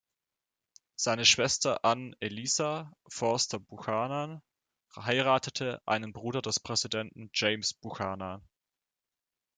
Seine Schwester Ann Eliza Foster Buchanan heiratete einen Bruder des Präsidenten James Buchanan.